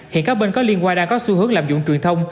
hiện các bên có liên quan đang có xu hướng lạm dụng truyền thông